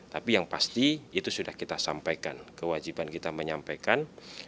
tapi yang pasti itu sudah kita sampaikan kewajiban kita menyampaikan